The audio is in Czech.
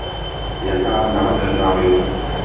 Jak nádherná věta.